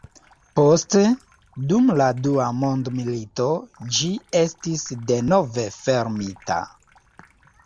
Poste dum la dua mondmilito ĝi estis denove fermita.